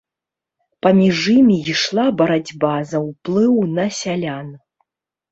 Паміж імі ішла барацьба за ўплыў на сялян.